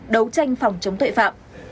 đấu tranh phòng chống tội phạm